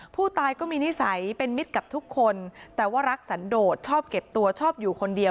ผู้ตายก็มีนิสัยเป็นมิตรกับทุกคนแต่ว่ารักสันโดดชอบเก็บตัวชอบอยู่คนเดียว